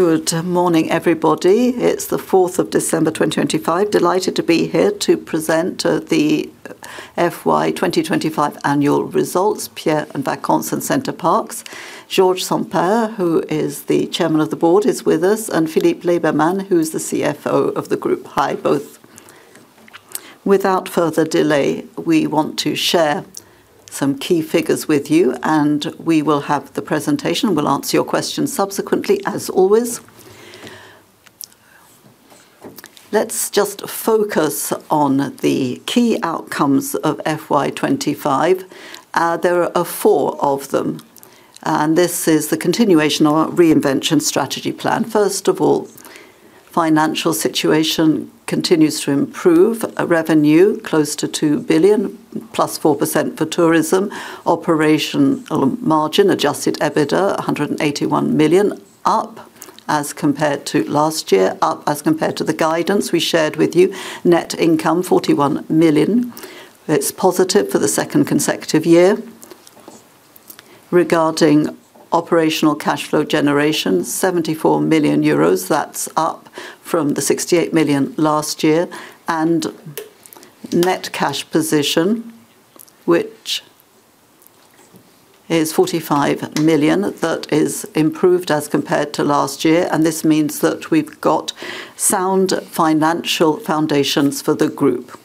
Good morning, everybody. It's the 4th of December 2025. Delighted to be here to present the FY 2025 annual results: Pierre & Vacances and Center Parcs. Georges Sampeur, who is the Chairman of the Board, is with us, and Philippe Hermann, who is the CFO of the Group. Hi, both. Without further delay, we want to share some key figures with you, and we will have the presentation. We'll answer your questions subsequently, as always. Let's just focus on the key outcomes of FY 25. There are four of them, and this is the continuation of our reinvention strategy plan. First of all, financial situation continues to improve: revenue closer to 2 billion, plus 4% for tourism. Operational margin adjusted EBITDA: 181 million, up as compared to last year, up as compared to the guidance we shared with you. Net income: 41 million. It's positive for the second consecutive year. Regarding operational cash flow generation: 74 million euros. That's up from the 68 million last year. And net cash position, which is 45 million, that is improved as compared to last year, and this means that we've got sound financial foundations for the group.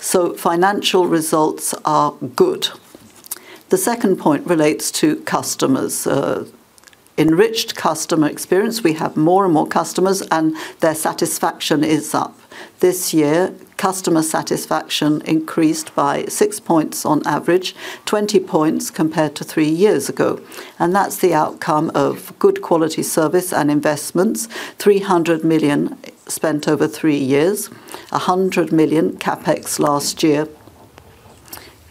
So financial results are good. The second point relates to customers: enriched customer experience. We have more and more customers, and their satisfaction is up. This year, customer satisfaction increased by 6 points on average, 20 points compared to three years ago. And that's the outcome of good quality service and investments: 300 million EUR spent over three years, 100 million EUR CapEx last year,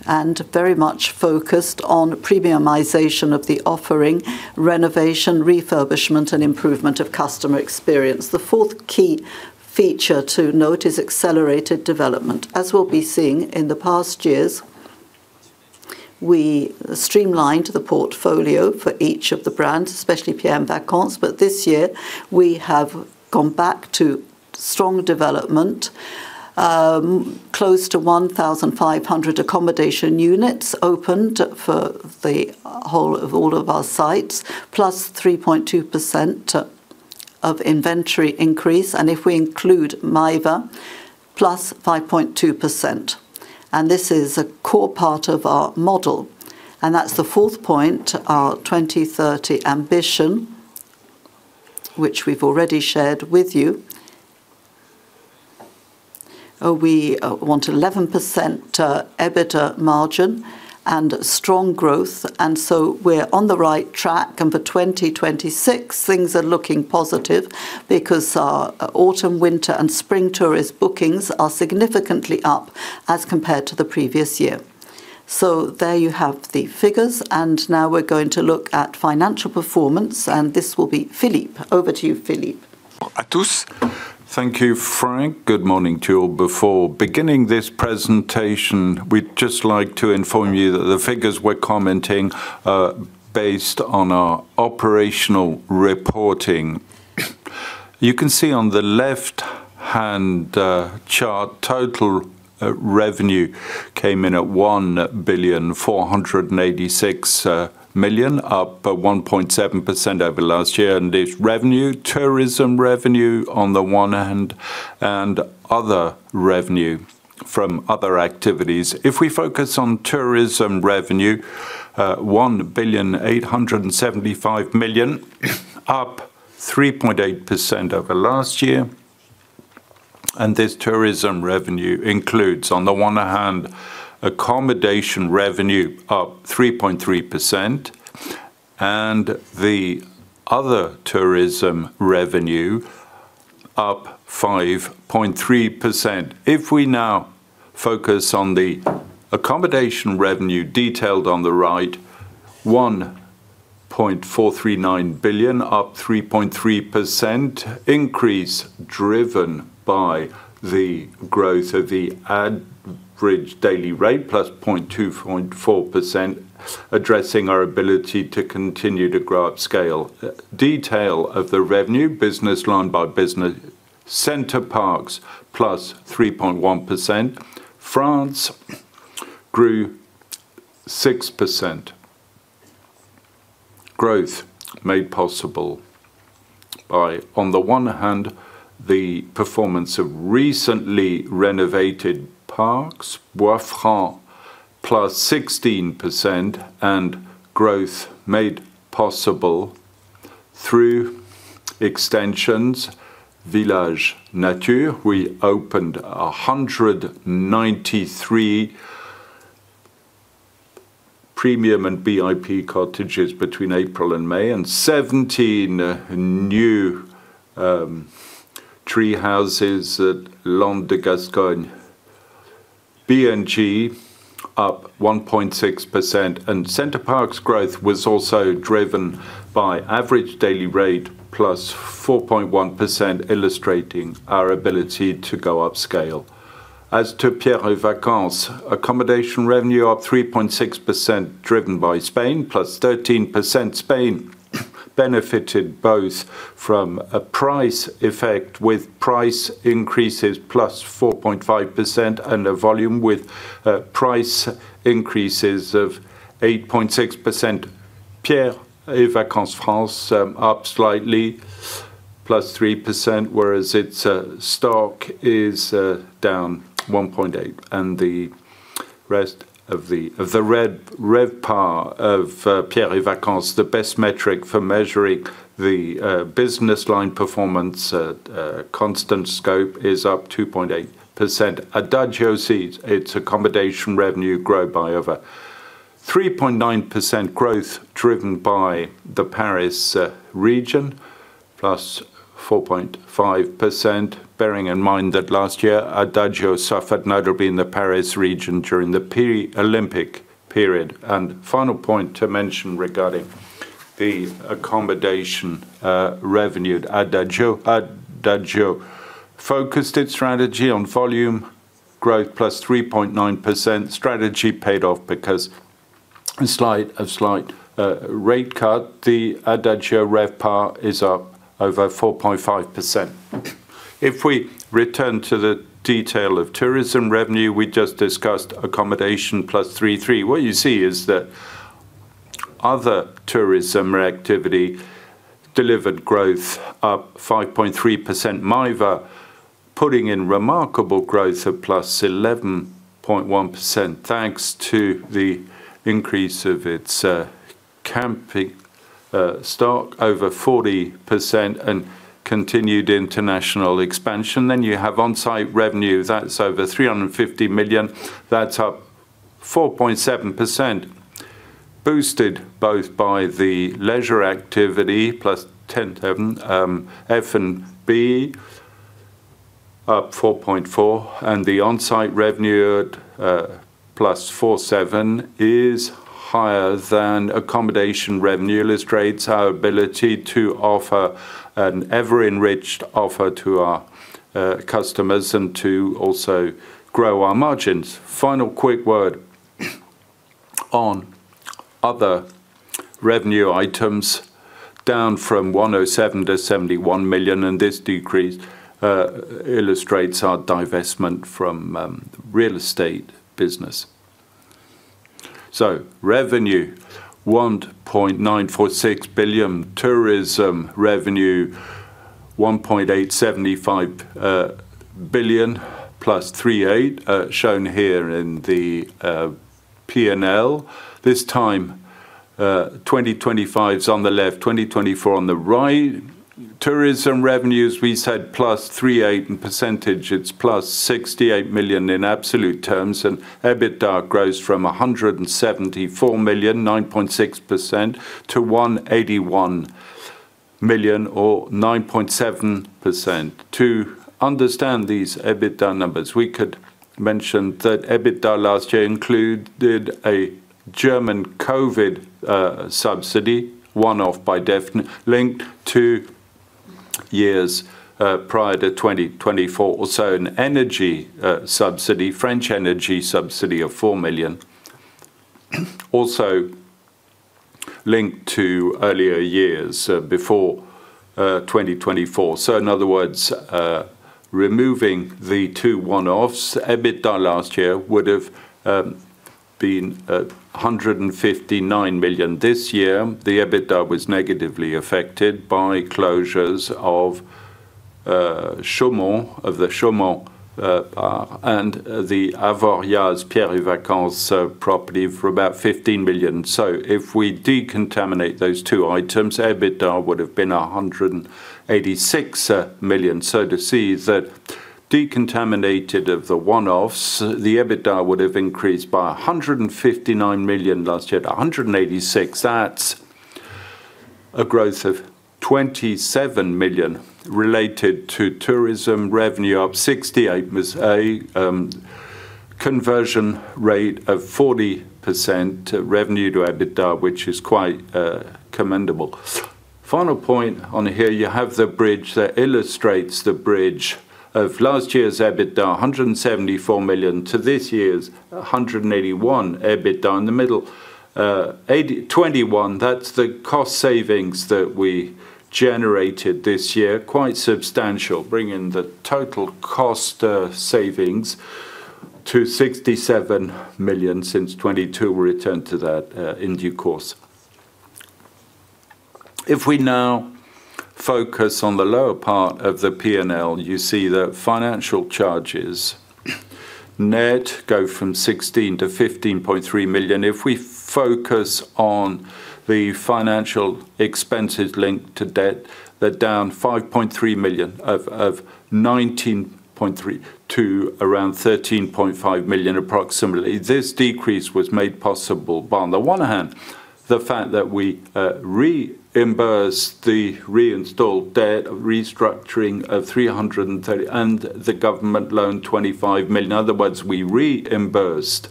and very much focused on premiumization of the offering, renovation, refurbishment, and improvement of customer experience. The fourth key feature to note is accelerated development. As we'll be seeing in the past years, we streamlined the portfolio for each of the brands, especially Pierre & Vacances, but this year we have gone back to strong development: close to 1,500 accommodation units opened for all of our sites, plus 3.2% of inventory increase, and if we include Maeva, plus 5.2%. And this is a core part of our model. And that's the fourth point, our 2030 ambition, which we've already shared with you. We want 11% EBITDA margin and strong growth, and so we're on the right track. And for 2026, things are looking positive because our autumn, winter, and spring tourist bookings are significantly up as compared to the previous year. So there you have the figures, and now we're going to look at financial performance, and this will be Philippe. Over to you, Philippe. À tous. Thank you, Franck. Good morning to all. Before beginning this presentation, we'd just like to inform you that the figures we're commenting are based on our operational reporting. You can see on the left-hand chart, total revenue came in at 1.486 billion, up 1.7% over last year. And there's revenue, tourism revenue on the one hand, and other revenue from other activities. If we focus on tourism revenue, 1.875 billion, up 3.8% over last year. And this tourism revenue includes, on the one hand, accommodation revenue, up 3.3%, and the other tourism revenue, up 5.3%. If we now focus on the accommodation revenue detailed on the right, 1.439 billion, up 3.3%, increase driven by the growth of the average daily rate, plus 0.24%, addressing our ability to continue to grow at scale. Detail of the revenue, business line by business, Center Parcs, plus 3.1%. France grew 6%. Growth made possible by, on the one hand, the performance of recently renovated parks, Bois-Francs, plus 16%, and growth made possible through extensions, Villages Nature. We opened 193 premium and VIP cottages between April and May, and 17 new tree houses at Landes de Gascogne. BNG up 1.6%, and Center Parcs' growth was also driven by average daily rate, plus 4.1%, illustrating our ability to go upscale. As to Pierre & Vacances, accommodation revenue up 3.6%, driven by Spain, plus 13%. Spain benefited both from a price effect with price increases, plus 4.5%, and a volume with price increases of 8.6%. Pierre & Vacances France up slightly, plus 3%, whereas its stock is down 1.8%. The rest of the RevPAR part of Pierre & Vacances, the best metric for measuring the business line performance, constant scope, is up 2.8%. Adagio sees its accommodation revenue grow by over 3.9%, growth driven by the Paris region, +4.5%, bearing in mind that last year Adagio suffered, notably in the Paris region during the pre-Olympic period. Final point to mention regarding the accommodation revenue, Adagio focused its strategy on volume growth, +3.9%. Strategy paid off because of a slight rate cut. The Adagio RevPAR is up over 4.5%. If we return to the detail of tourism revenue, we just discussed accommodation, +3.3%. What you see is that other tourism activity delivered growth, up 5.3%. Maeva, putting in remarkable growth of +11.1%, thanks to the increase of its camping stock, over 40%, and continued international expansion. You have on-site revenue. That's over 350 million. That's up 4.7%, boosted both by the leisure activity, plus F&B up 4.4%, and the on-site revenue plus 4.7%. This is higher than accommodation revenue [and] illustrates our ability to offer an ever-enriched offer to our customers and to also grow our margins. Final quick word oN other revenue items, down from 107 million to 71 million, and this decrease illustrates our divestment from real estate business. So revenue, 1.946 billion. Tourism revenue, 1.875 billion, plus 3.8%, shown here in the P&L. This time, 2025 is on the left, 2024 on the right. Tourism revenues, we said, plus 3.8% in percentage. It's plus 68 million in absolute terms, and EBITDA grows from 174 million, 9.6%, to 181 million, or 9.7%. To understand these EBITDA numbers, we could mention that EBITDA last year included a German COVID subsidy, one-off by definition, linked to years prior to 2024, also an energy subsidy, French energy subsidy of 4 million, also linked to earlier years before 2024, so in other words, removing the two one-offs, EBITDA last year would have been 159 million this year. The EBITDA was negatively affected by closures of Chaumont, of the Chaumont part, and the Avoriaz Pierre & Vacances property for about 15 million, so if we decontaminate those two items, EBITDA would have been 186 million, so to see that decontaminated of the one-offs, the EBITDA would have increased by 159 million last year, 186. That's a growth of 27 million related to tourism revenue, up 68%, a conversion rate of 40% revenue to EBITDA, which is quite commendable. Final point on here, you have the bridge that illustrates the bridge of last year's EBITDA, 174 million to this year's 181 million EBITDA in the middle. 21 million, that's the cost savings that we generated this year, quite substantial, bringing the total cost savings to 67 million since 2022. We'll return to that in due course. If we now focus on the lower part of the P&L, you see that financial charges net go from 16 million to 15.3 million. If we focus on the financial expenses linked to debt, they're down 5.3 million, of 19.3 million to around 13.5 million approximately. This decrease was made possible by, on the one hand, the fact that we reimbursed the reinstated debt restructuring of 330 million, and the government loan, 25 million. In other words, we reimbursed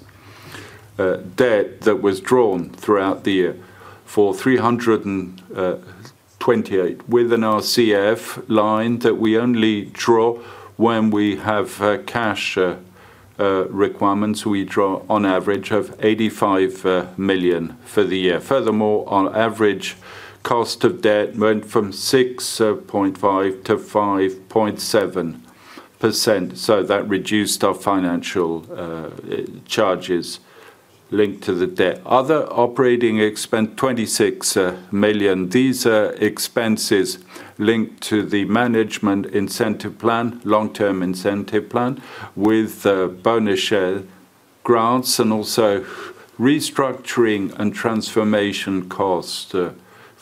debt that was drawn throughout the year for 328 million. Within our RCF line that we only draw when we have cash requirements, we draw on average 85 million for the year. Furthermore, our average cost of debt went from 6.5%-5.7%, so that reduced our financial charges linked to the debt. Other operating expense, 26 million. These are expenses linked to the management incentive plan, long-term incentive plan, with bonus share grants and also restructuring and transformation cost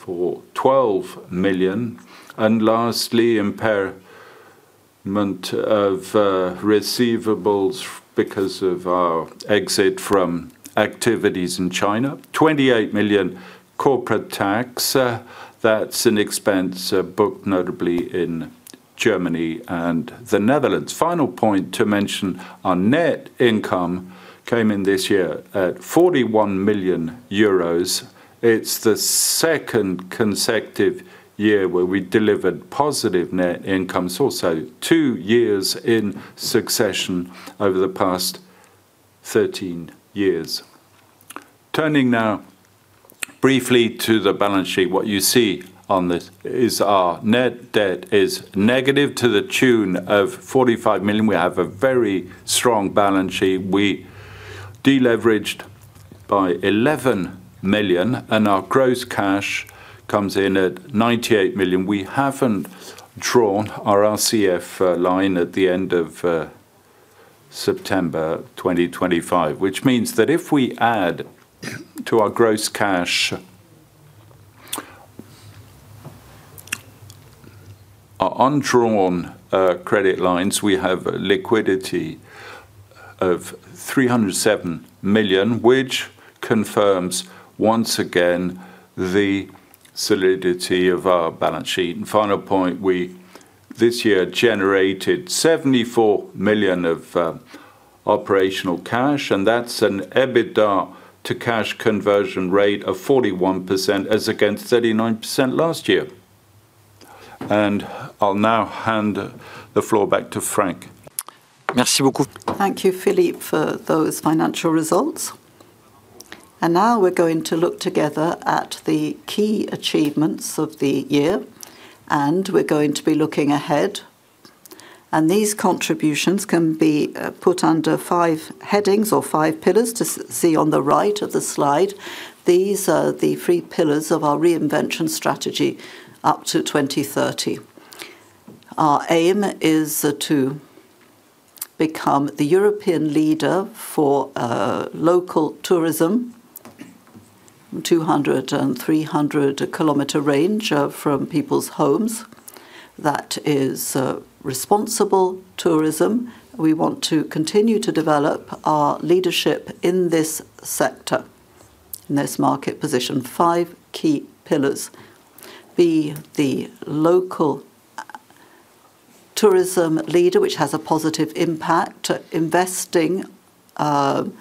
for 12 million. And lastly, impairment of receivables because of our exit from activities in China, 28 million corporate tax. That's an expense booked notably in Germany and the Netherlands. Final point to mention, our net income came in this year at 41 million euros. It's the second consecutive year where we delivered positive net income, so also two years in succession over the past 13 years. Turning now briefly to the balance sheet, what you see on this is our net debt is negative to the tune of 45 million. We have a very strong balance sheet. We deleveraged by 11 million, and our gross cash comes in at 98 million. We haven't drawn our RCF line at the end of September 2025, which means that if we add to our gross cash, our undrawn credit lines, we have liquidity of 307 million, which confirms once again the solidity of our balance sheet. Final point, we this year generated 74 million of operational cash, and that's an EBITDA to cash conversion rate of 41%, as against 39% last year. I'll now hand the floor back to Franck. Merci beaucoup. Thank you, Philippe, for those financial results. Now we're going to look together at the key achievements of the year, and we're going to be looking ahead. These contributions can be put under five headings or five pillars to see on the right of the slide. These are the three pillars of our reinvention strategy up to 2030. Our aim is to become the European leader for local tourism, 200 and 300-kilometer range from people's homes. That is responsible tourism. We want to continue to develop our leadership in this sector, in this market position. Five key pillars: be the local tourism leader, which has a positive impact, investing in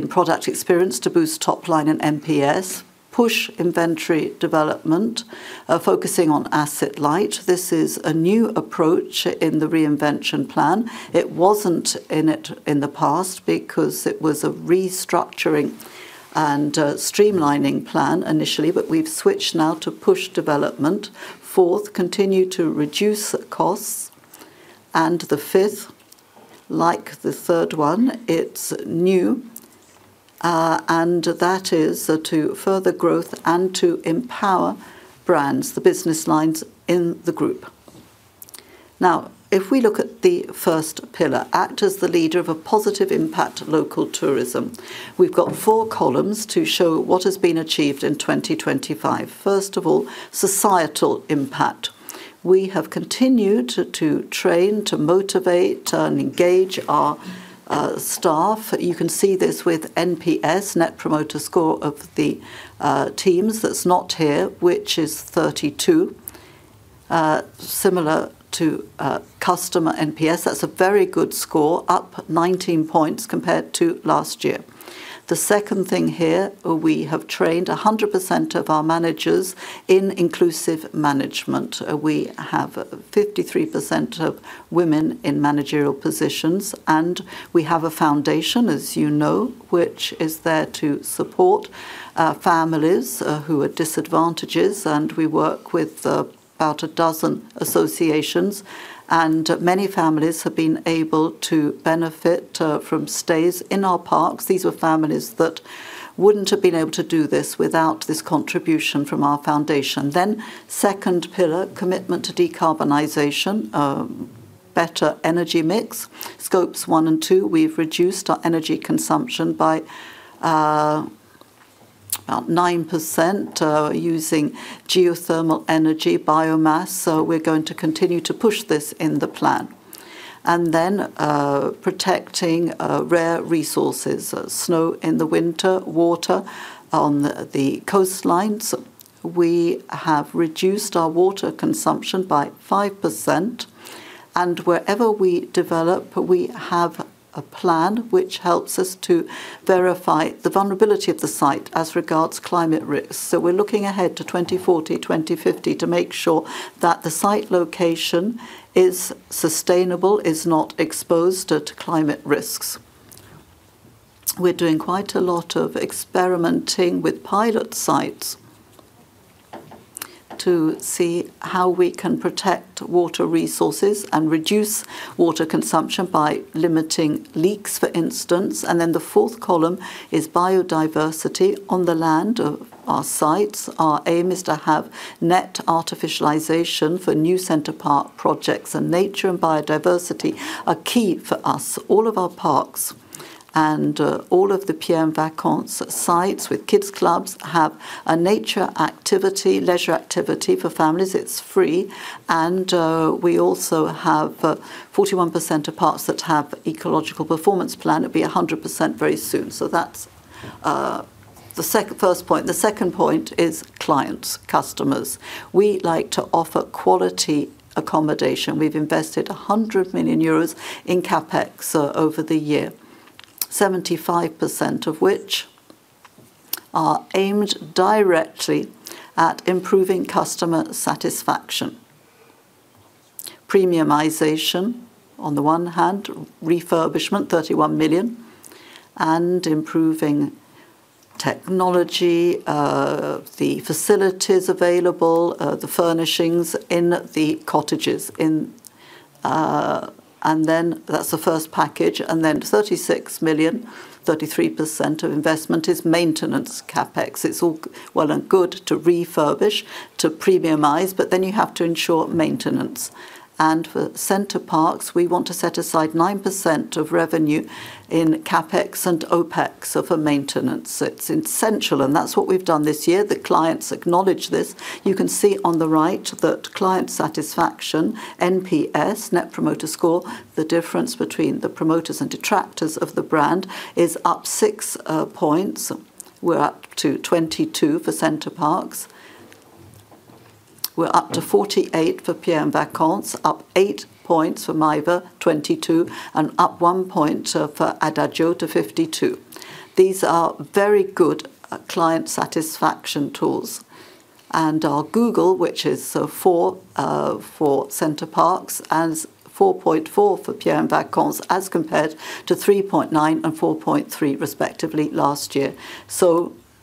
product experience to boost top line and NPS, push inventory development, focusing on asset light. This is a new approach in the reinvention plan. It wasn't in it in the past because it was a restructuring and streamlining plan initially, but we've switched now to push development. Fourth, continue to reduce costs. And the fifth, like the third one, it's new, and that is to further growth and to empower brands, the business lines in the group. Now, if we look at the first pillar, act as the leader of a positive impact local tourism. We've got four columns to show what has been achieved in 2025. First of all, societal impact. We have continued to train, to motivate, and engage our staff. You can see this with NPS, Net Promoter Score of the teams. That's not here, which is 32, similar to customer NPS. That's a very good score, up 19 points compared to last year. The second thing here, we have trained 100% of our managers in inclusive management. We have 53% of women in managerial positions, and we have a foundation, as you know, which is there to support families who are disadvantaged. And we work with about a dozen associations, and many families have been able to benefit from stays in our parks. These were families that wouldn't have been able to do this without this contribution from our foundation. Then, second pillar, commitment to decarbonization, better energy mix, Scope 1 and 2. We've reduced our energy consumption by about 9% using geothermal energy, biomass. So we're going to continue to push this in the plan. And then protecting rare resources, snow in the winter, water on the coastlines. We have reduced our water consumption by 5%. And wherever we develop, we have a plan which helps us to verify the vulnerability of the site as regards climate risks. We're looking ahead to 2040, 2050 to make sure that the site location is sustainable, is not exposed to climate risks. We're doing quite a lot of experimenting with pilot sites to see how we can protect water resources and reduce water consumption by limiting leaks, for instance. And then the fourth column is biodiversity on the land of our sites. Our aim is to have net artificialization for new Center Parcs projects. And nature and biodiversity are key for us. All of our parks and all of the Pierre & Vacances sites with kids' clubs have a nature activity, leisure activity for families. It's free. And we also have 41% of parks that have ecological performance plan. It'll be 100% very soon. So that's the first point. The second point is clients, customers. We like to offer quality accommodation. We've invested 100 million euros in CapEx over the year, 75% of which are aimed directly at improving customer satisfaction. Premiumization, on the one hand, refurbishment, EUR 31 million, and improving technology, the facilities available, the furnishings in the cottages, and then that's the first package, and then 36 million, 33% of investment is maintenance CapEx. It's all well and good to refurbish, to premiumize, but then you have to ensure maintenance, and for Center Parcs, we want to set aside 9% of revenue in CapEx and OpEx for maintenance. It's essential, and that's what we've done this year. The clients acknowledge this. You can see on the right that client satisfaction, NPS, net promoter score, the difference between the promoters and detractors of the brand is up six points. We're up to 22 for Center Parcs. We're up to 48 for Pierre & Vacances, up eight points for Maeva, 22, and up one point for Adagio to 52. These are very good client satisfaction tools, and our Google, which is 4 for Center Parcs, and 4.4 for Pierre & Vacances as compared to 3.9 and 4.3 respectively last year.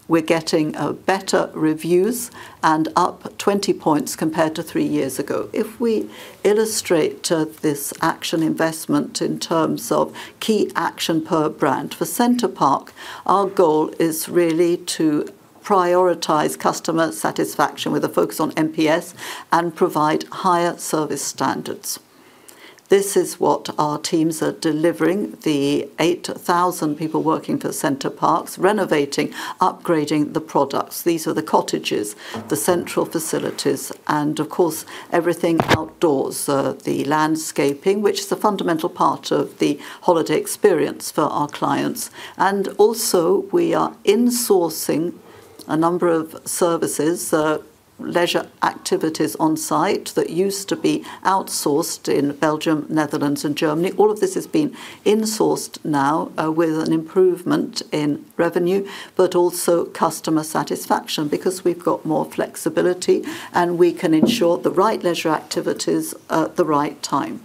We're getting better reviews and up 20 points compared to three years ago. If we illustrate this action investment in terms of key action per brand for Center Parcs, our goal is really to prioritize customer satisfaction with a focus on NPS and provide higher service standards. This is what our teams are delivering: the 8,000 people working for Center Parcs, renovating, upgrading the products. These are the cottages, the central facilities, and of course, everything outdoors, the landscaping, which is a fundamental part of the holiday experience for our clients. And also, we are insourcing a number of services, leisure activities on site that used to be outsourced in Belgium, Netherlands, and Germany. All of this has been insourced now with an improvement in revenue, but also customer satisfaction because we've got more flexibility and we can ensure the right leisure activities at the right time.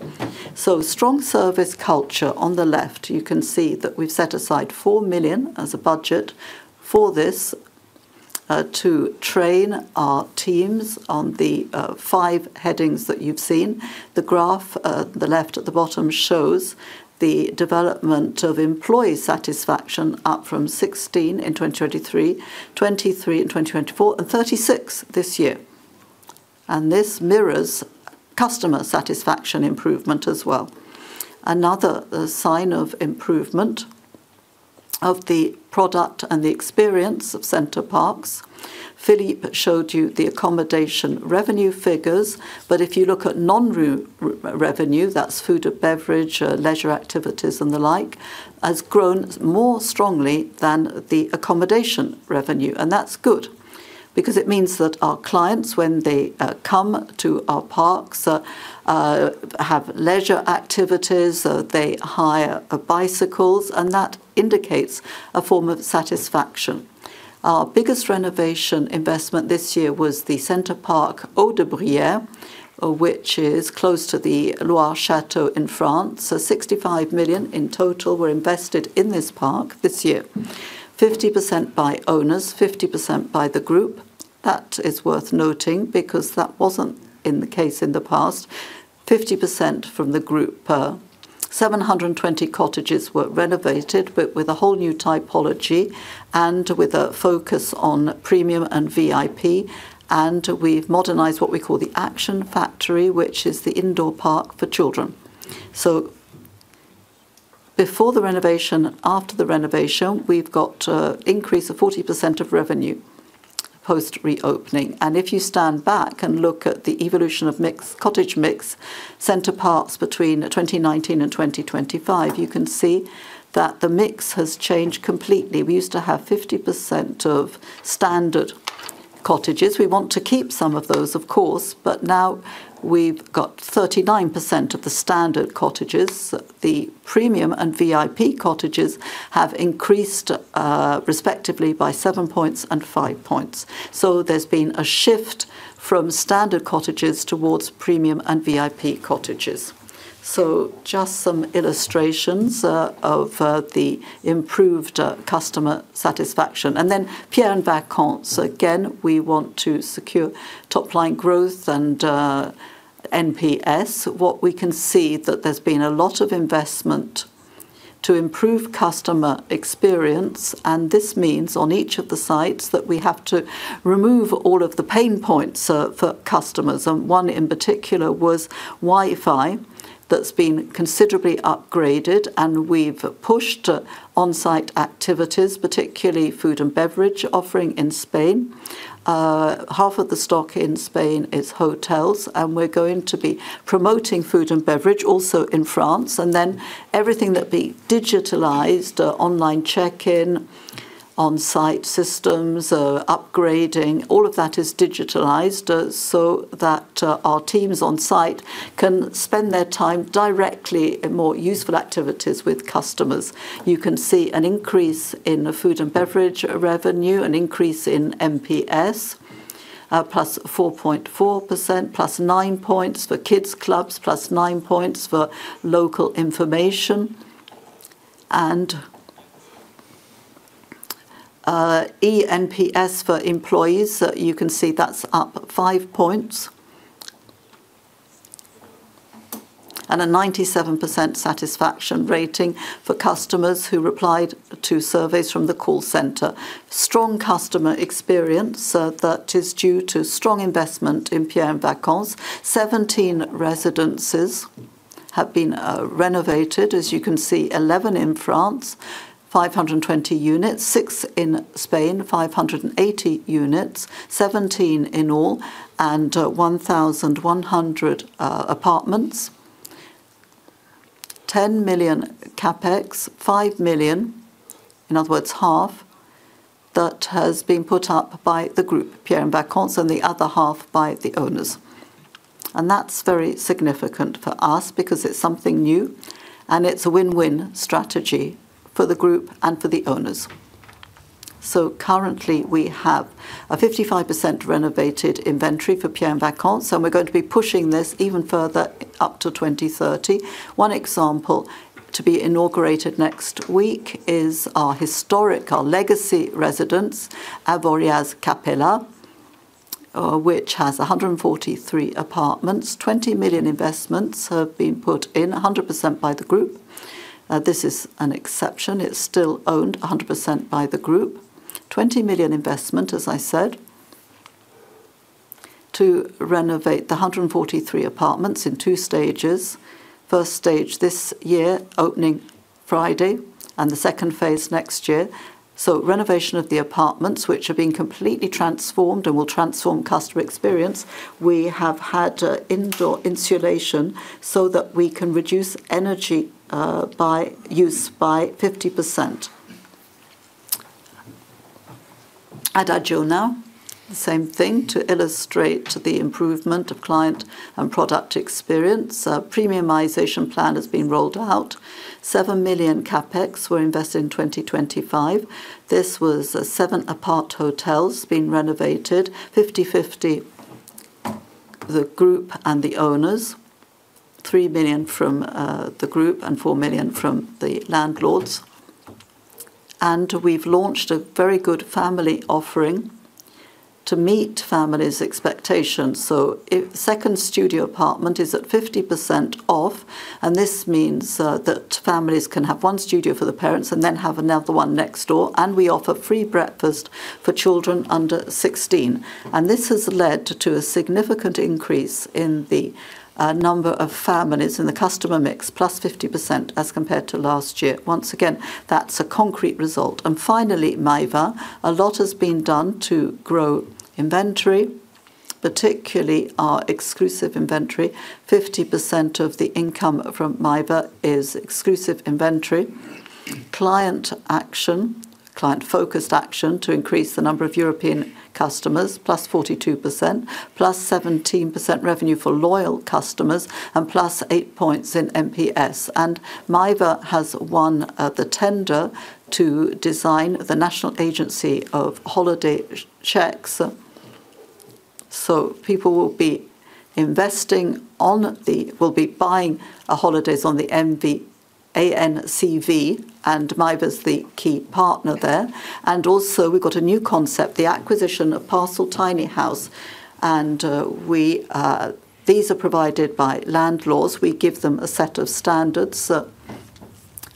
So strong service culture. On the left, you can see that we've set aside 4 million as a budget for this to train our teams on the five headings that you've seen. The graph on the left at the bottom shows the development of employee satisfaction up from 16 in 2023, 23 in 2024, and 36 this year. And this mirrors customer satisfaction improvement as well. Another sign of improvement of the product and the experience of Center Parcs. Philippe showed you the accommodation revenue figures, but if you look at non-revenue, that's food and beverage, leisure activities, and the like, has grown more strongly than the accommodation revenue, and that's good because it means that our clients, when they come to our parks, have leisure activities, they hire bicycles, and that indicates a form of satisfaction. Our biggest renovation investment this year was the Center Parcs Domaine des Hauts de Bruyères, which is close to the Loire châteaux in France, so 65 million in total were invested in this park this year, 50% by owners, 50% by the group. That is worth noting because that wasn't the case in the past. 50% from the group. 720 cottages were renovated, but with a whole new typology and with a focus on premium and VIP, and we've modernized what we call the Action Factory, which is the indoor park for children. So before the renovation, after the renovation, we've got an increase of 40% of revenue post-reopening. And if you stand back and look at the evolution of cottage mix Center Parcs between 2019 and 2025, you can see that the mix has changed completely. We used to have 50% of standard cottages. We want to keep some of those, of course, but now we've got 39% of the standard cottages. The premium and VIP cottages have increased respectively by 7 points and 5 points. So there's been a shift from standard cottages towards premium and VIP cottages. So just some illustrations of the improved customer satisfaction. And then Pierre & Vacances, again, we want to secure top line growth and NPS. What we can see is that there's been a lot of investment to improve customer experience. This means on each of the sites that we have to remove all of the pain points for customers. One in particular was Wi-Fi that's been considerably upgraded. We've pushed on-site activities, particularly food and beverage offering in Spain. Half of the stock in Spain is hotels, and we're going to be promoting food and beverage also in France. Then everything that will be digitalized, online check-in, on-site systems, upgrading, all of that is digitalized so that our teams on site can spend their time directly in more useful activities with customers. You can see an increase in food and beverage revenue, an increase in NPS, plus 4.4%, plus 9 points for kids' clubs, plus 9 points for local information. eNPS for employees, you can see that's up 5 points. A 97% satisfaction rating for customers who replied to surveys from the call center. Strong customer experience that is due to strong investment in Pierre & Vacances. 17 residences have been renovated, as you can see, 11 in France, 520 units, six in Spain, 580 units, 17 in all, and 1,100 apartments. 10 million CapEx, 5 million, in other words, half that has been put up by the group, Pierre & Vacances, and the other half by the owners. And that's very significant for us because it's something new, and it's a win-win strategy for the group and for the owners. So currently, we have a 55% renovated inventory for Pierre & Vacances, and we're going to be pushing this even further up to 2030. One example to be inaugurated next week is our historic, our legacy residence, Avoriaz Capella, which has 143 apartments. 20 million investments have been put in, 100% by the group. This is an exception. It's still owned 100% by the group. 20 million investment, as I said, to renovate the 143 apartments in two stages. First stage this year, opening Friday, and the second phase next year so renovation of the apartments, which have been completely transformed and will transform customer experience. We have had indoor insulation so that we can reduce energy use by 50%. Adagio now, same thing to illustrate the improvement of client and product experience. Premiumization plan has been rolled out. Seven million CapEx were invested in 2025. This was seven aparthotels being renovated, 50/50 the group and the owners, 3 million from the group and 4 million from the landlords, and we've launched a very good family offering to meet family's expectations. So, second studio apartment is at 50% off, and this means that families can have one studio for the parents and then have another one next door. We offer free breakfast for children under 16. This has led to a significant increase in the number of families in the customer mix, plus 50% as compared to last year. Once again, that's a concrete result. Finally, Maeva, a lot has been done to grow inventory, particularly our exclusive inventory. 50% of the income from Maeva is exclusive inventory. Client action, client-focused action to increase the number of European customers, plus 42%, plus 17% revenue for loyal customers, and plus 8 points in NPS. Maeva has won the tender to design the National Agency of Holiday Checks. People will be buying holidays on the Maeva ANCV, and Maeva's the key partner there. And also, we've got a new concept, the acquisition of Parcel Tiny House. And these are provided by landlords. We give them a set of standards.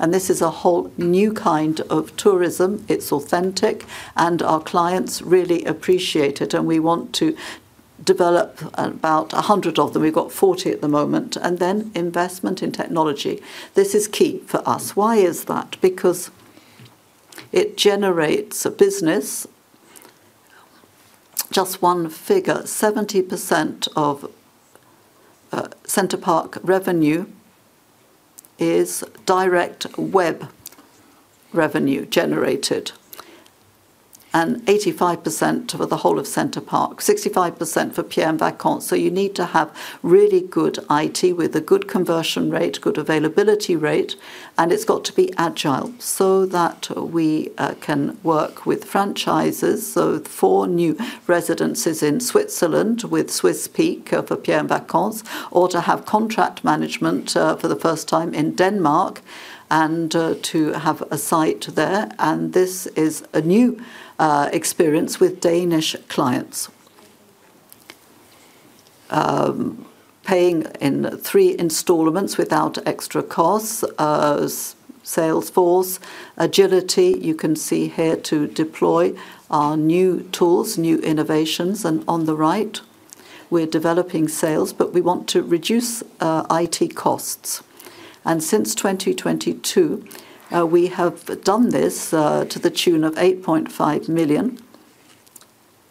And this is a whole new kind of tourism. It's authentic, and our clients really appreciate it. And we want to develop about 100 of them. We've got 40 at the moment. And then investment in technology. This is key for us. Why is that? Because it generates a business. Just one figure, 70% of Center Parcs revenue is direct web revenue generated, and 85% for the whole of Center Parcs, 65% for Pierre & Vacances. So you need to have really good IT with a good conversion rate, good availability rate, and it's got to be agile so that we can work with franchises. Four new residences in Switzerland with SwissPeak for Pierre & Vacances, or to have contract management for the first time in Denmark and to have a site there. This is a new experience with Danish clients. Paying in three installments without extra costs, Salesforce, Agility, you can see here to deploy our new tools, new innovations. On the right, we're developing sales, but we want to reduce IT costs. Since 2022, we have done this to the tune of 8.5 million.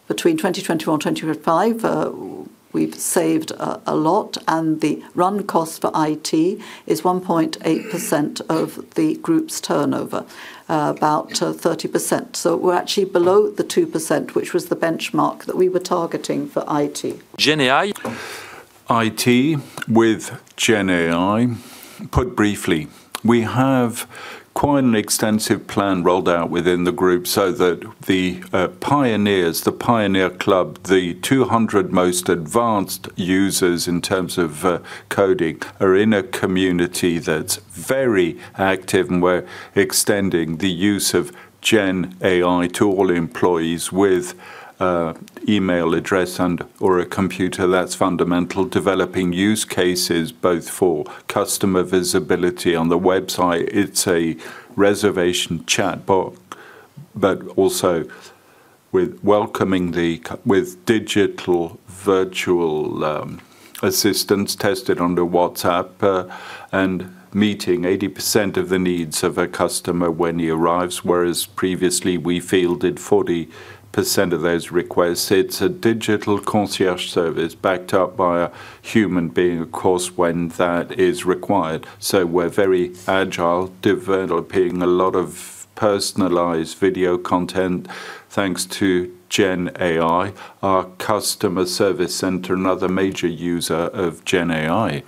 Between 2021 and 2025, we've saved a lot, and the run cost for IT is 1.8% of the group's turnover, about 30%. We're actually below the 2%, which was the benchmark that we were targeting for IT. GenAI, IT with GenAI. Put briefly, we have quite an extensive plan rolled out within the group so that the pioneers, the Pioneer Club, the 200 most advanced users in terms of coding are in a community that's very active, and we're extending the use of GenAI to all employees with email address and/or a computer. That's fundamental, developing use cases both for customer visibility on the website. It's a reservation chatbot, but also with welcoming the digital virtual assistants tested under WhatsApp and meeting 80% of the needs of a customer when he arrives, whereas previously we fielded 40% of those requests. It's a digital concierge service backed up by a human being, of course, when that is required. So we're very agile, developing a lot of personalized video content thanks to GenAI. Our customer service center, another major user of GenAI.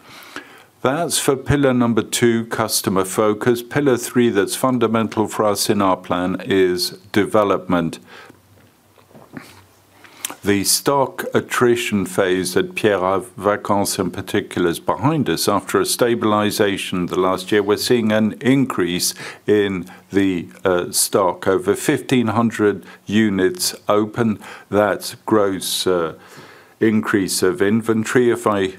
That's for pillar number two, customer focus. Pillar three that's fundamental for us in our plan is development. The stock attrition phase at Pierre & Vacances in particular is behind us. After a stabilization the last year, we're seeing an increase in the stock, over 1,500 units open. That's gross increase of inventory. If I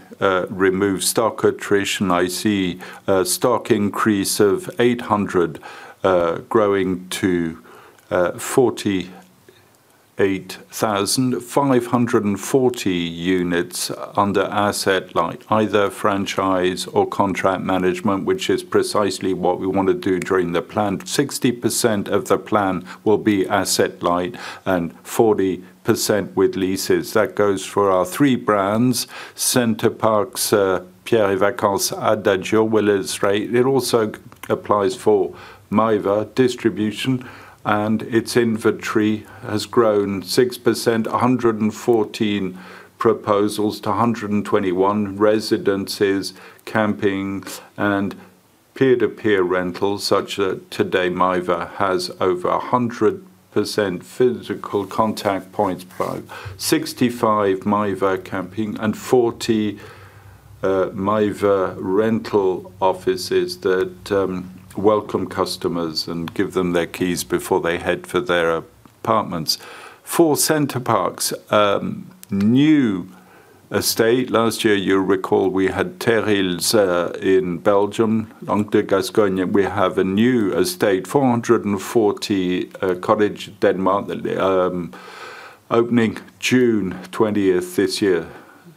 remove stock attrition, I see a stock increase of 800, growing to 48,540 units under asset-light, either franchise or contract management, which is precisely what we want to do during the plan. 60% of the plan will be asset-light and 40% with leases. That goes for our three brands, Center Parcs, Pierre & Vacances, Adagio, Villages Nature. It also applies for Maeva distribution, and its inventory has grown 6%, 114 proposals to 121 residences, camping, and peer-to-peer rentals, such that today Maeva has over 100% physical contact points by 65 Maeva camping and 40 Maeva rental offices that welcome customers and give them their keys before they head for their apartments. For Center Parcs, new estate. Last year, you'll recall we had Terhills in Belgium, Landes de Gascogne. We have a new estate, 440 cottages in Denmark, opening June 20th this year,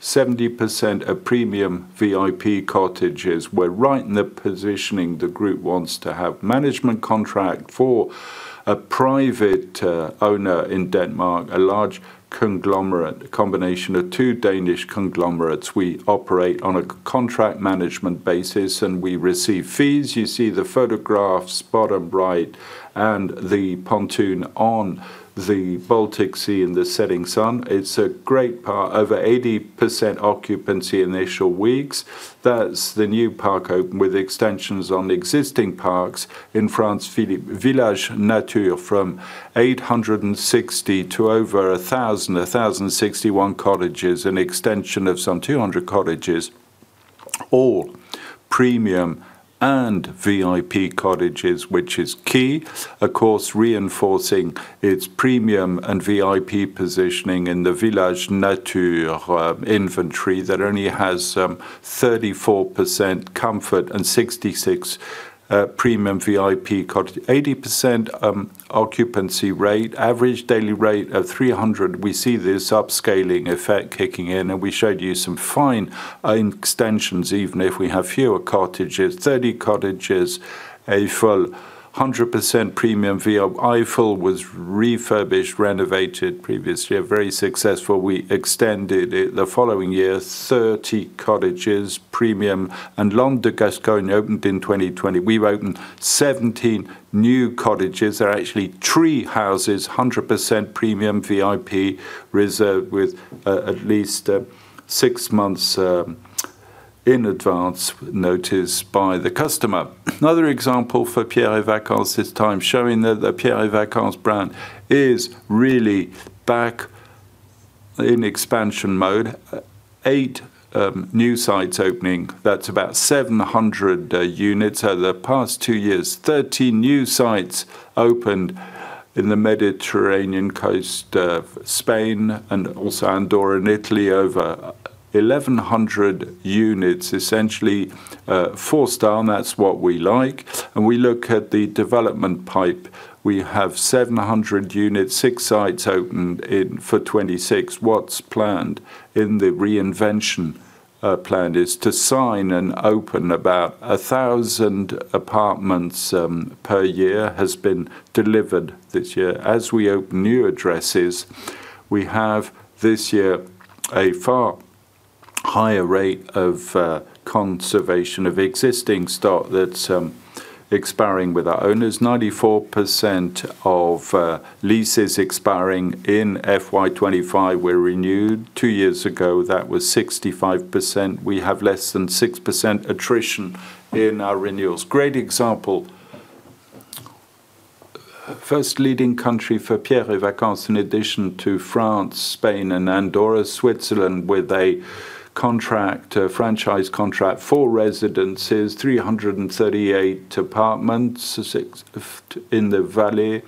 70% of premium VIP cottages. We're right in the positioning the group wants to have. Management contract for a private owner in Denmark, a large conglomerate, a combination of two Danish conglomerates. We operate on a contract management basis, and we receive fees. You see the photographs bottom right and the pontoon on the Baltic Sea in the setting sun. It's a great park, over 80% occupancy initial weeks. That's the new park open with extensions on existing parks in France, Villages Nature, from 860 to over 1,000, 1,061 cottages, an extension of some 200 cottages, all Premium and VIP Cottages, which is key, of course, reinforcing its Premium and VIP positioning in the Villages Nature inventory that only has 34% Comfort and 66% Premium VIP cottages. 80% occupancy rate, average daily rate of 300. We see this upscaling effect kicking in, and we showed you some fine extensions, even if we have fewer cottages, 30 cottages, a full 100% Premium VIP was refurbished, renovated previously, a very successful. We extended it the following year, 30 cottages, Premium, and Landes de Gascogne opened in 2020. We've opened 17 new cottages. There are actually three houses, 100% Premium VIP reserved with at least six months in advance notice by the customer. Another example for Pierre & Vacances this time showing that the Pierre & Vacances brand is really back in expansion mode. Eight new sites opening. That's about 700 units over the past two years. 13 new sites opened in the Mediterranean coast of Spain and also Andorra in Italy, over 1,100 units, essentially four-star. That's what we like. And we look at the development pipeline. We have 700 units, six sites opening in 2026. What's planned in the reinvention plan is to sign and open about 1,000 apartments per year. That has been delivered this year. As we open new addresses, we have this year a far higher rate of retention of existing stock that's expiring with our owners. 94% of leases expiring in FY 2025 were renewed. Two years ago, that was 65%. We have less than 6% attrition in our renewals. Great example. First leading country for Pierre & Vacances, in addition to France, Spain, and Andorra, Switzerland, with a contract, franchise contract for residences, 338 apartments in the valley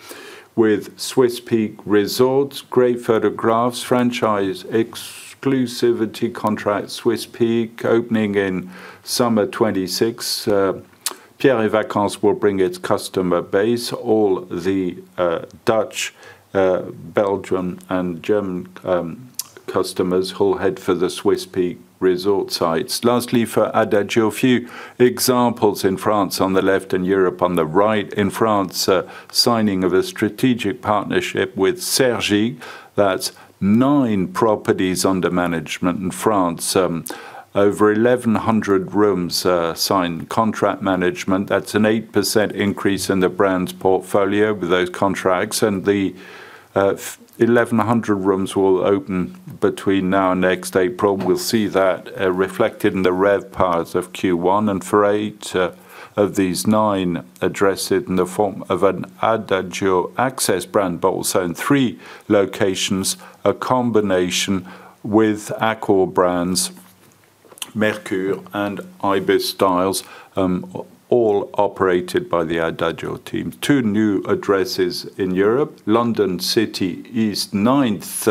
with SwissPeak Resorts. Great photographs. Franchise exclusivity contract, SwissPeak, opening in summer 2026. Pierre & Vacances will bring its customer base, all the Dutch, Belgian, and German customers who'll head for the SwissPeak Resort sites. Lastly, for Adagio, a few examples in France on the left and Europe on the right. In France, signing of a strategic partnership with Sergic. That's nine properties under management in France. Over 1,100 rooms signed contract management. That's an 8% increase in the brand's portfolio with those contracts. And the 1,100 rooms will open between now and next April. We'll see that reflected in the RevPAR of Q1. For eight of these nine addresses in the form of an Adagio aparthotels brand bolt-on, three locations, a combination with Accor brands, Mercure, and Ibis Styles, all operated by the Adagio team. Two new addresses in Europe, London City East, ninth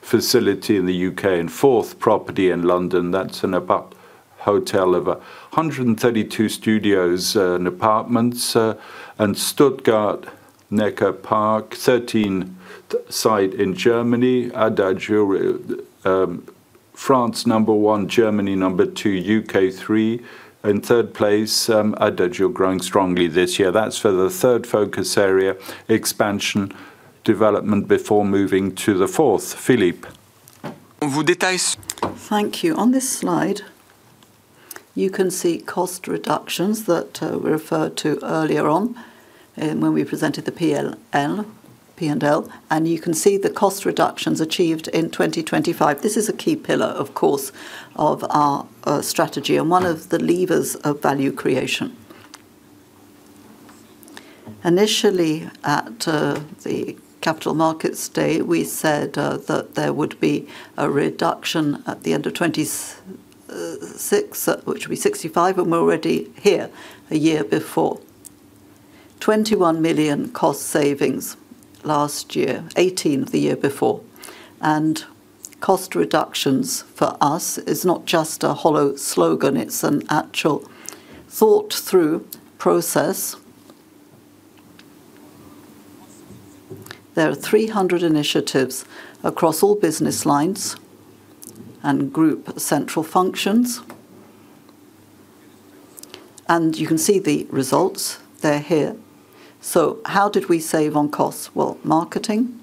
facility in the UK, and fourth property in London. That's an aparthotel, over 132 studios and apartments, and Stuttgart NeckarPark, 13th site in Germany, Adagio, France number one, Germany number two, UK three. In third place, Adagio growing strongly this year. That's for the third focus area, expansion development before moving to the fourth. Philippe. On vous détaille. Thank you. On this slide, you can see cost reductions that we referred to earlier on when we presented the P&L. You can see the cost reductions achieved in 2025. This is a key pillar, of course, of our strategy and one of the levers of value creation. Initially, at the Capital Markets Day, we said that there would be a reduction at the end of 2026, which would be 65, and we're already here a year before. 21 million cost savings last year, 18 million the year before. And cost reductions for us is not just a hollow slogan. It's an actual thought-through process. There are 300 initiatives across all business lines and group central functions. And you can see the results. They're here. So how did we save on costs? Well, marketing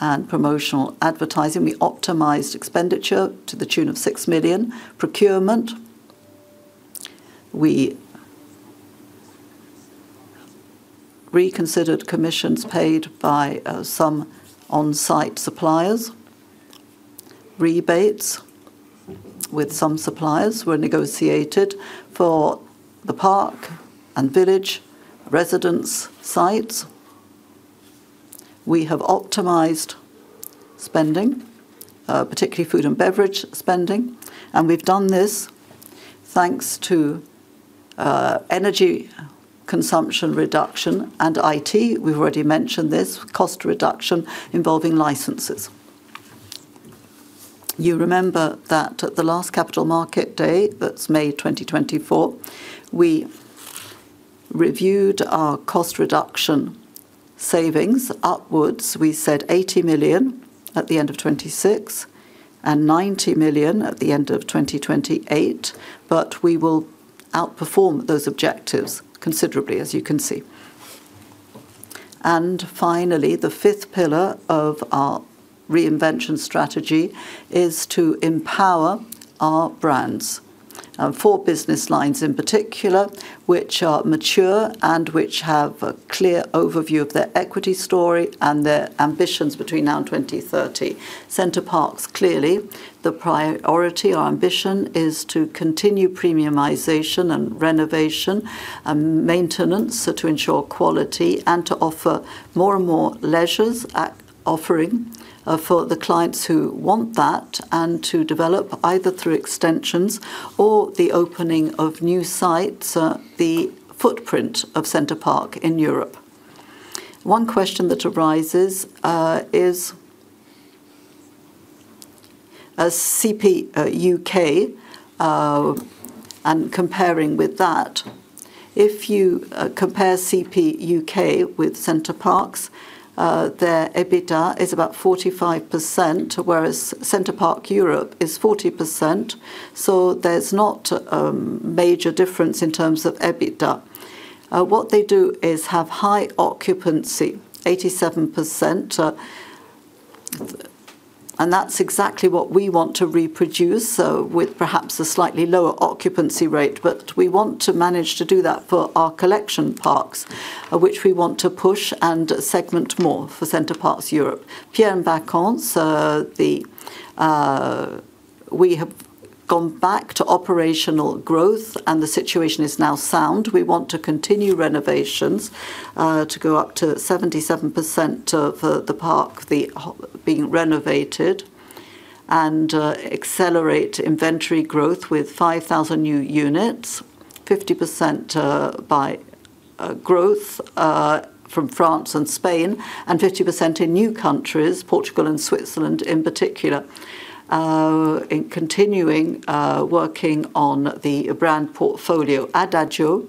and promotional advertising. We optimized expenditure to the tune of 6 million. Procurement. We reconsidered commissions paid by some on-site suppliers. Rebates with some suppliers were negotiated for the park and village residents' sites. We have optimized spending, particularly food and beverage spending. We've done this thanks to energy consumption reduction and IT. We've already mentioned this cost reduction involving licenses. You remember that at the last Capital Market Day, that's May 2024, we reviewed our cost reduction savings upwards. We said 80 million at the end of 2026 and 90 million at the end of 2028, but we will outperform those objectives considerably, as you can see. Finally, the fifth pillar of our reinvention strategy is to empower our brands. Four business lines in particular, which are mature and which have a clear overview of their equity story and their ambitions between now and 2030. Center Parcs, clearly, the priority or ambition is to continue premiumization and renovation and maintenance to ensure quality and to offer more and more leisure offering for the clients who want that and to develop either through extensions or the opening of new sites, the footprint of Center Parcs in Europe. One question that arises is CP UK and comparing with that. If you compare CP UK with Center Parcs, their EBITDA is about 45%, whereas Center Parcs Europe is 40%. So there's not a major difference in terms of EBITDA. What they do is have high occupancy, 87%, and that's exactly what we want to reproduce with perhaps a slightly lower occupancy rate, but we want to manage to do that for our collection parks, which we want to push and segment more for Center Parcs Europe. Pierre & Vacances, we have gone back to operational growth and the situation is now sound. We want to continue renovations to go up to 77% of the park being renovated and accelerate inventory growth with 5,000 new units, 50% by growth from France and Spain and 50% in new countries, Portugal and Switzerland in particular, continuing working on the brand portfolio. Adagio,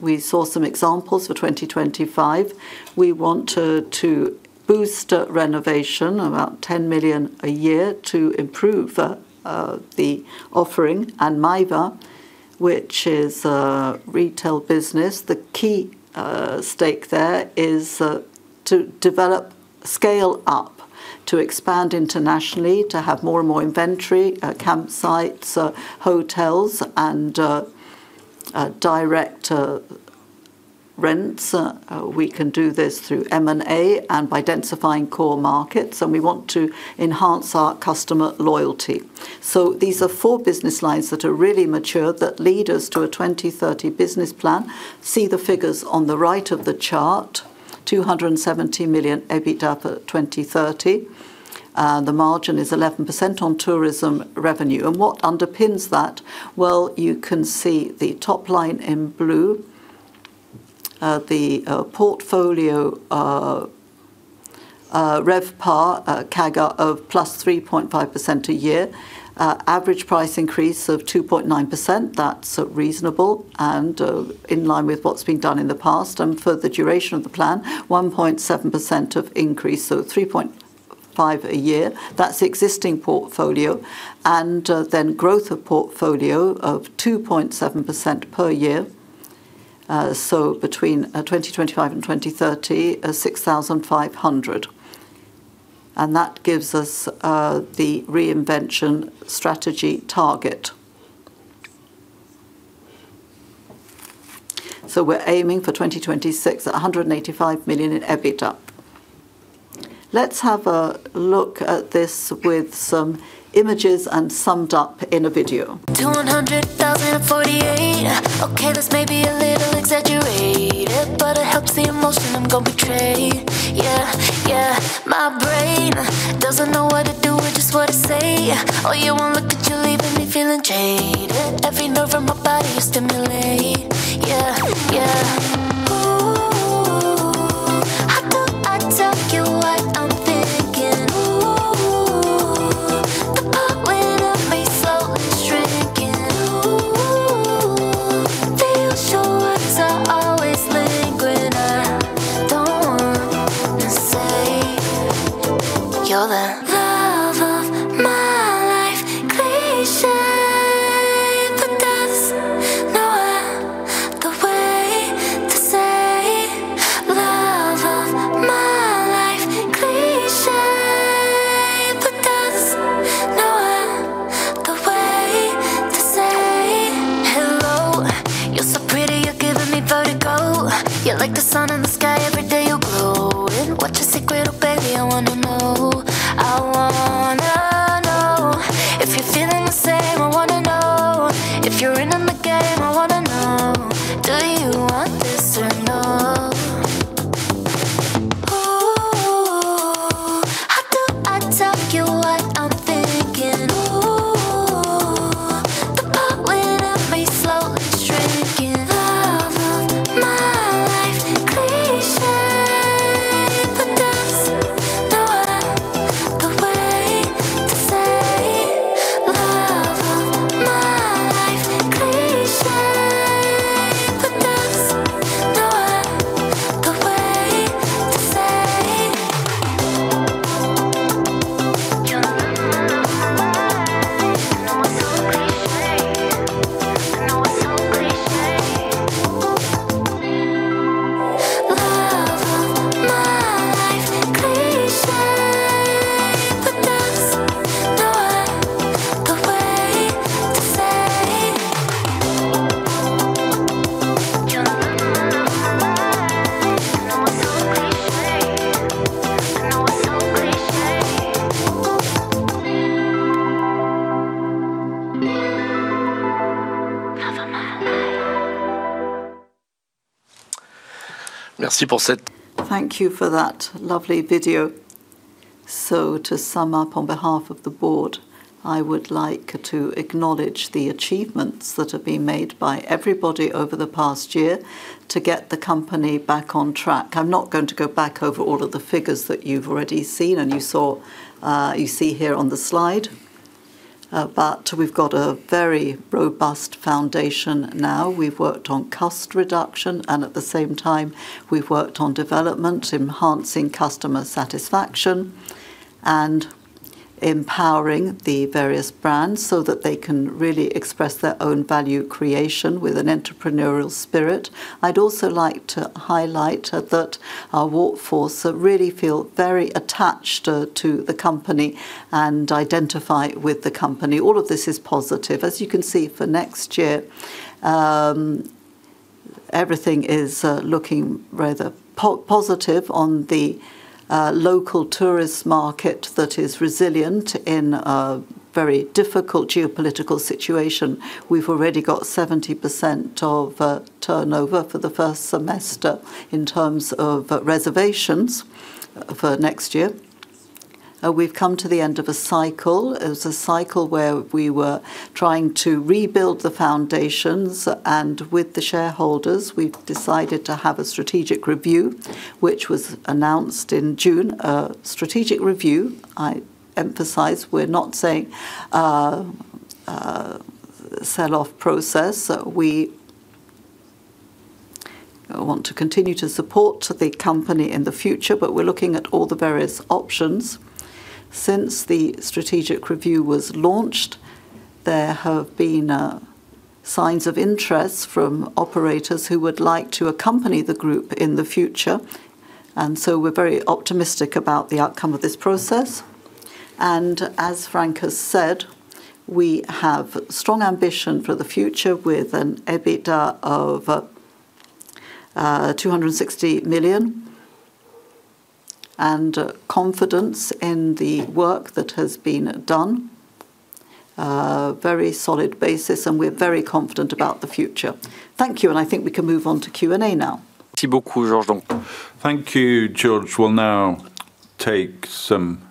we saw some examples for 2025. We want to boost renovation about 10 million a year to improve the offering and Maeva, which is a retail business. The key stake there is to develop, scale up, to expand internationally, to have more and more inventory, campsites, hotels, and direct rents. We can do this through M&A and by densifying core markets, and we want to enhance our customer loyalty. So these are four business lines that are really mature that lead us to a 2030 business plan. See the figures on the right of the chart: 270 million EBITDA for 2030. The margin is 11% on tourism revenue. What underpins that? You can see the top line in blue, the portfolio RevPAR CAGR of +3.5% a year, average price increase of 2.9%. That's reasonable and in line with what's been done in the past. For the duration of the plan, 1.7% of increase, so 3.5% a year. That's existing portfolio. Then growth of portfolio of 2.7% per year. Between 2025 and 2030, 6,500. That gives us the reinvention strategy target. We're aiming for 2026, 185 million EBITDA. Let's have a look at this with some images and summed up in a video. 200,048. Okay, this may be a little exaggerated, but it helps the emotion I'm going to betray. Yeah, yeah. My brain doesn't know what to do or just what to say. Oh, yeah, when I look at you, leaving me feeling jaded. Every nerve in my body is stimulate. Yeah, yeah. Ooh, how do I tell you Thank you for that lovely video. So, to sum up on behalf of the board, I would like to acknowledge the achievements that have been made by everybody over the past year to get the company back on track. I'm not going to go back over all of the figures that you've already seen and you saw, you see here on the slide, but we've got a very robust foundation now. We've worked on cost reduction and at the same time, we've worked on development, enhancing customer satisfaction and empowering the various brands so that they can really express their own value creation with an entrepreneurial spirit. I'd also like to highlight that our workforce really feel very attached to the company and identify with the company. All of this is positive. As you can see, for next year, everything is looking rather positive on the local tourist market that is resilient in a very difficult geopolitical situation. We've already got 70% of turnover for the first semester in terms of reservations for next year. We've come to the end of a cycle. It was a cycle where we were trying to rebuild the foundations, and with the shareholders, we've decided to have a strategic review, which was announced in June. A strategic review, I emphasize, we're not saying sell-off process. We want to continue to support the company in the future, but we're looking at all the various options. Since the strategic review was launched, there have been signs of interest from operators who would like to accompany the group in the future. So we're very optimistic about the outcome of this process. And as Franck said, we have strong ambition for the future with an EBITDA of 260 million and confidence in the work that has been done. Very solid basis, and we're very confident about the future. Thank you, and I think we can move on to Q&A now. Merci beaucoup, Georges. Thank you, Georges. We'll now take some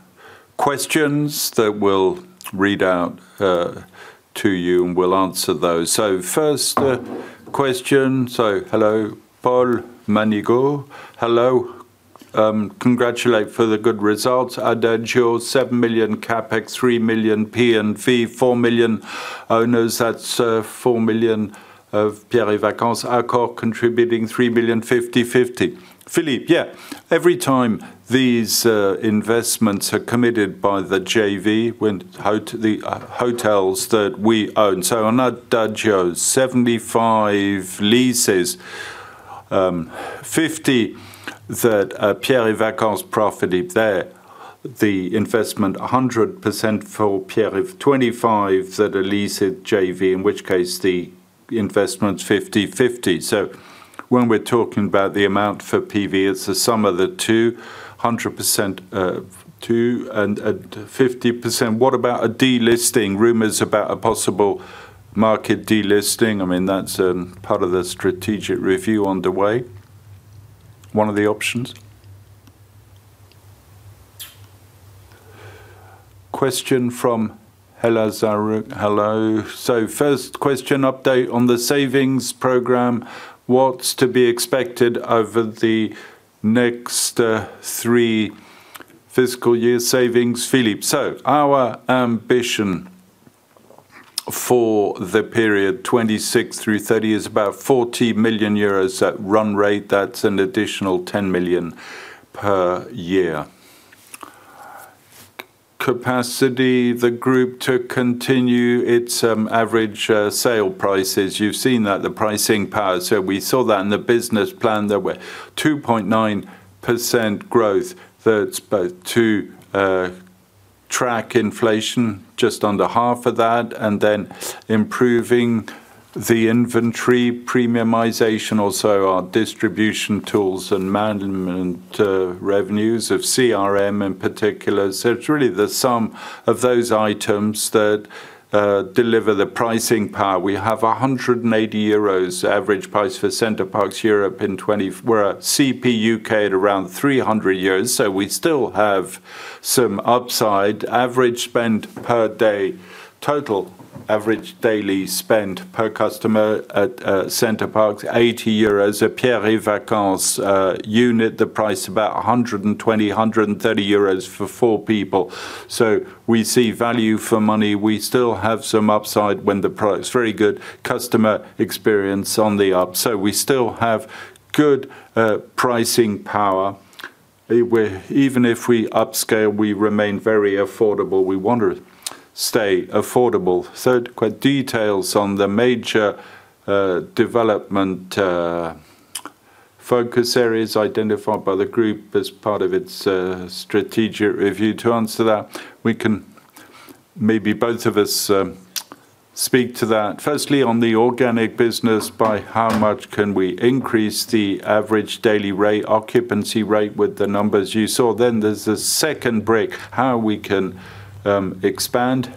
questions that we'll read out to you, and we'll answer those. First question. Hello, Paul Manigault. Hello. Congratulations for the good results. Adagio, 7 million CapEx, 3 million P&V, 4 million owners, that's 4 million of Pierre & Vacances Accor contributing 3 million, 50-50. Philippe, yeah, every time these investments are committed by the JV, the hotels that we own. So on Adagio, 75 leases, 50 that Pierre & Vacances provided there, the investment 100% for Pierre & Vacances, 25 that are leased to JV, in which case the investment's 50-50. So when we're talking about the amount for P&V, it's a sum of the two, 100%-50%. What about a delisting? Rumors about a possible market delisting. I mean, that's part of the strategic review underway. One of the options. Question from Hello. So, first question: update on the savings program. What's to be expected over the next three fiscal year savings? Philippe, so our ambition for the period 2026 through 2030 is about 40 million euros at run rate. That's an additional 10 million per year. Capacity the group to continue its average sale prices. You've seen that, the pricing power. So we saw that in the business plan, there were 2.9% growth. That's both to track inflation, just under half of that, and then improving the inventory premiumization, also our distribution tools and management revenues of CRM in particular. So it's really the sum of those items that deliver the pricing power. We have 180 euros average price for Center Parcs Europe in 2024. We're at CP UK at around 300 euros. So we still have some upside. Average spend per day, total average daily spend per customer at Center Parcs, 80 euros. A Pierre & Vacances unit, the price about 120-130 euros for four people. So we see value for money. We still have some upside when the product's very good. Customer experience on the up. So we still have good pricing power. Even if we upscale, we remain very affordable. We want to stay affordable. So, quick details on the major development focus areas identified by the group as part of its strategic review. To answer that, we can maybe both of us speak to that. Firstly, on the organic business, by how much can we increase the average daily rate occupancy rate with the numbers you saw? Then there's a second brick, how we can expand,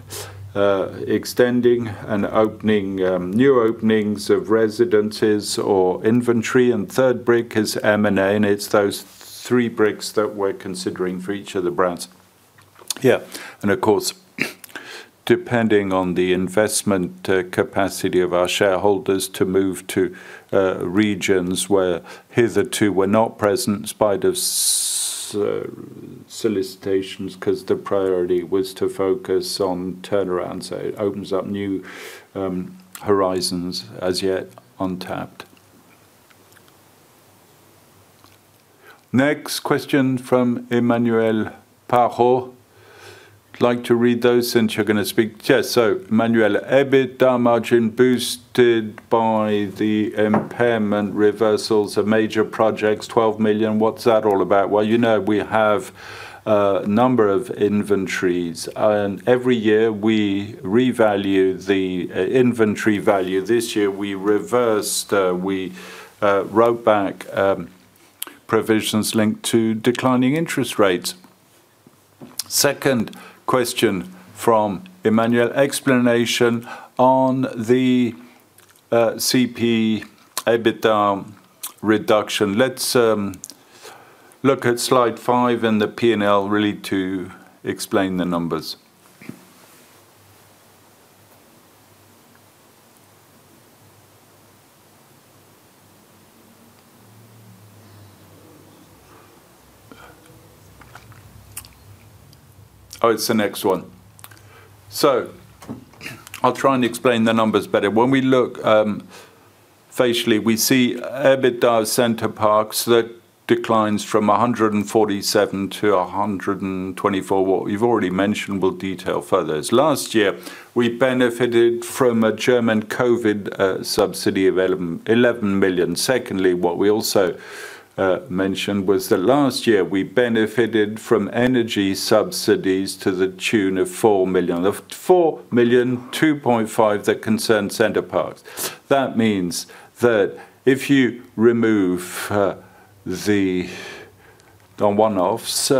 extending and opening new openings of residences or inventory. And third brick is M&A, and it's those three bricks that we're considering for each of the brands. Yeah, and of course, depending on the investment capacity of our shareholders to move to regions where hitherto were not present in spite of solicitations because the priority was to focus on turnarounds. It opens up new horizons as yet untapped. Next question from Emmanuel Parot. I'd like to read those since you're going to speak. Yes, so Emmanuel, EBITDA margin boosted by the impairment reversals of major projects, 12 million. What's that all about? Well, you know, we have a number of inventories, and every year we revalue the inventory value. This year we reversed, we wrote back provisions linked to declining interest rates. Second question from Emmanuel, explanation on the CP EBITDA reduction. Let's look at slide five in the P&L really to explain the numbers. Oh, it's the next one, so I'll try and explain the numbers better. When we look facially, we see EBITDA of Center Parcs that declines from 147 million to 124 million. What you've already mentioned will detail further. Last year, we benefited from a German COVID subsidy of 11 million. Secondly, what we also mentioned was that last year we benefited from energy subsidies to the tune of 4 million. The 4 million, 2.5 million that concerns Center Parcs. That means that if you remove the one-offs,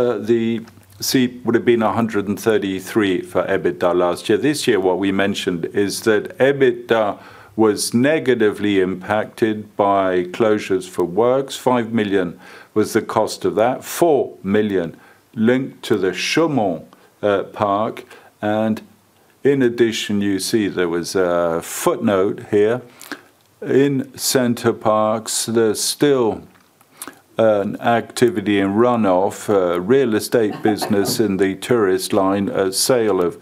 it would have been 133 million for EBITDA last year. This year, what we mentioned is that EBITDA was negatively impacted by closures for works. 5 million was the cost of that. 4 million linked to the Chaumont Park, and in addition, you see there was a footnote here. In Center Parcs, there's still an activity in runoff, real estate business in the tourist line, a sale of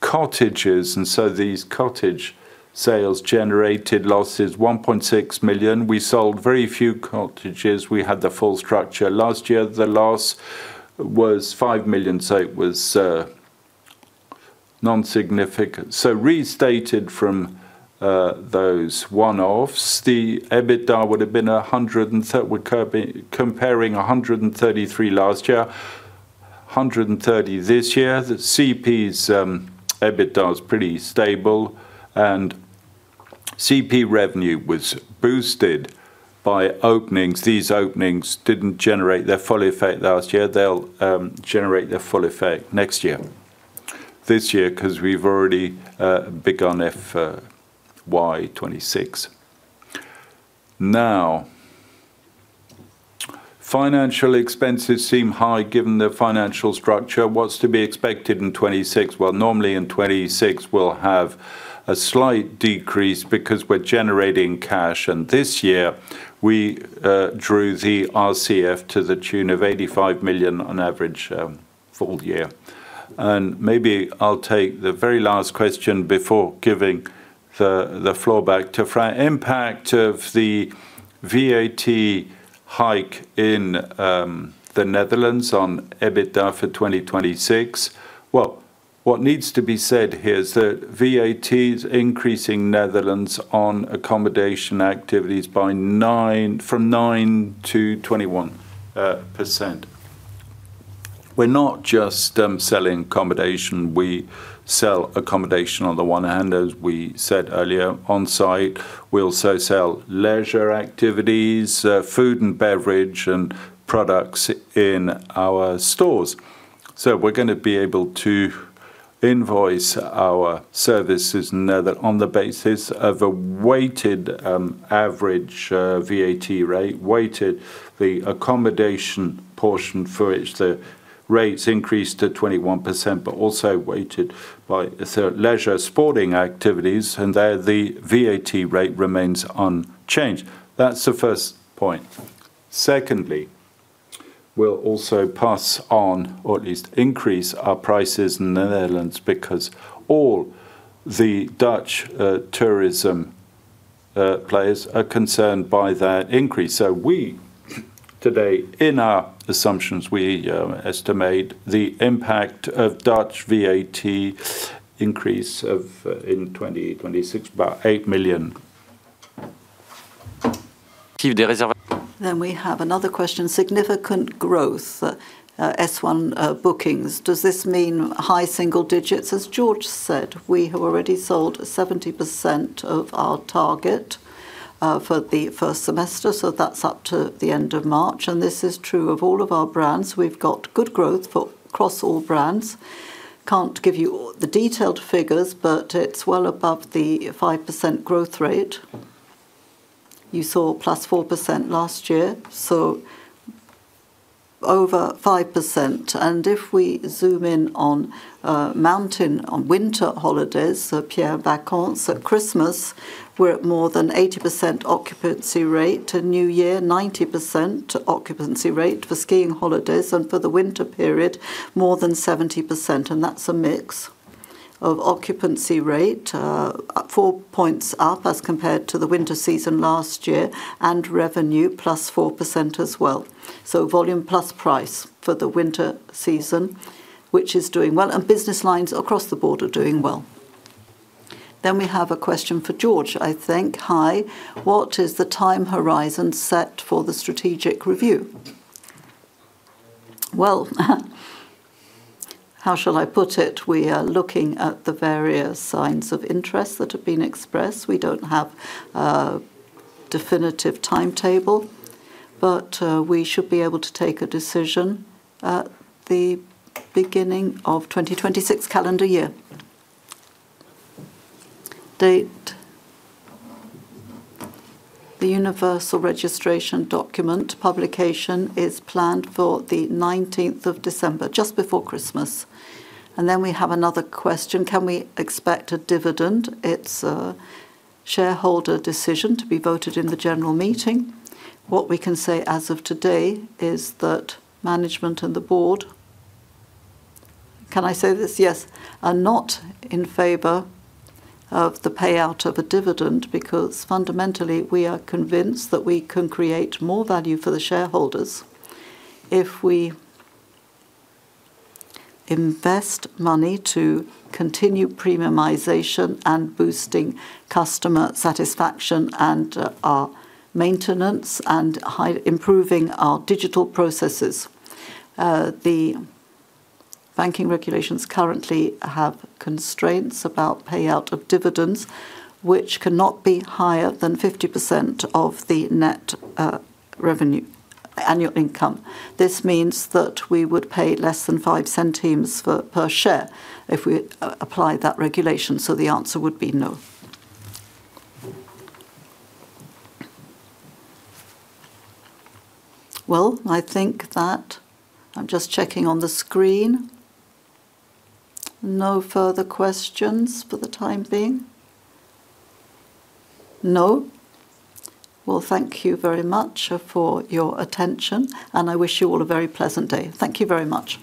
cottages. And so these cottage sales generated losses, 1.6 million. We sold very few cottages. We had the full structure last year. The loss was 5 million, so it was non-significant. So restated from those one-offs, the EBITDA would have been 100, comparing 133 last year, 130 this year. The CP's EBITDA is pretty stable, and CP revenue was boosted by openings. These openings didn't generate their full effect last year. They'll generate their full effect next year. This year, because we've already begun FY 2026. Now, financial expenses seem high given the financial structure. What's to be expected in 2026? Well, normally in 2026, we'll have a slight decrease because we're generating cash. And this year, we drew the RCF line to the tune of 85 million on average for the year. Maybe I'll take the very last question before giving the floor back to Franck. Impact of the VAT hike in the Netherlands on EBITDA for 2026. What needs to be said here is that VAT is increasing in the Netherlands on accommodation activities by 9% from 9%-21%. We're not just selling accommodation. We sell accommodation on the one hand, as we said earlier, on site. We also sell leisure activities, food and beverage, and products in our stores. So we're going to be able to invoice our services on the basis of a weighted average VAT rate, weighted by the accommodation portion for which the rates increased to 21%, but also weighted by leisure sporting activities, and there the VAT rate remains unchanged. That's the first point. Secondly, we'll also pass on, or at least increase our prices in the Netherlands because all the Dutch tourism players are concerned by that increase. So we today, in our assumptions, we estimate the impact of Dutch VAT increase in 2026 by EUR 8 million. Then we have another question. Significant growth, S1 bookings. Does this mean high single digits? As Georges said, we have already sold 70% of our target for the first semester, so that's up to the end of March. This is true of all of our brands. We've got good growth across all brands. Can't give you the detailed figures, but it's well above the 5% growth rate. You saw plus 4% last year, so over 5%. If we zoom in on mountain winter holidays, so Pierre & Vacances, so Christmas, we're at more than 80% occupancy rate. A new year, 90% occupancy rate for skiing holidays. For the winter period, more than 70%. That's a mix of occupancy rate, four points up as compared to the winter season last year, and revenue plus 4% as well. Volume plus price for the winter season, which is doing well. Business lines across the board are doing well. Then we have a question for Georges, I think. Hi. What is the time horizon set for the strategic review? Well, how shall I put it? We are looking at the various signs of interest that have been expressed. We don't have a definitive timetable, but we should be able to take a decision at the beginning of 2026 calendar year. The Universal Registration Document publication is planned for the 19th of December, just before Christmas. Then we have another question. Can we expect a dividend? It's a shareholder decision to be voted in the general meeting. What we can say as of today is that management and the board, can I say this? Yes, are not in favor of the payout of a dividend because fundamentally we are convinced that we can create more value for the shareholders if we invest money to continue premiumization and boosting customer satisfaction and our maintenance and improving our digital processes. The banking regulations currently have constraints about payout of dividends, which cannot be higher than 50% of the net revenue, annual income. This means that we would pay less than 0.05 per share if we apply that regulation. So the answer would be no. Well, I think that I'm just checking on the screen. No further questions for the time being? No. Thank you very much for your attention, and I wish you all a very pleasant day. Thank you very much.